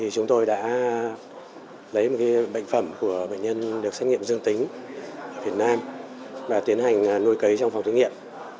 chúng tôi đã lấy một bệnh phẩm của bệnh nhân được xét nghiệm dương tính ở việt nam và tiến hành nuôi cấy trong phòng thí nghiệm